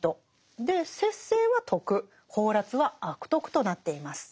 で節制は徳放埓は悪徳となっています。